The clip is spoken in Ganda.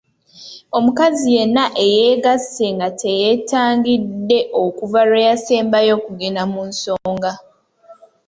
Omukazi yenna eyeegasse nga teyeetangidde okuva lwe yasembayo okugenda mu nsonga.